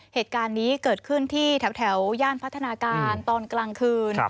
เหตุการณ์นี้เกิดขึ้นที่แถวย่านพัฒนาการตอนกลางคืน